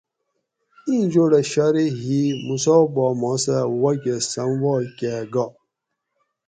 ایں جوڑہ شارئ ہی موسیٰ پا ما سہ واکہ سم وا کہ گا